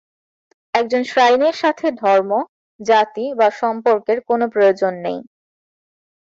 একজন শ্রাইনের সাথে ধর্ম, জাতি বা সম্পর্কের কোন প্রয়োজন নেই।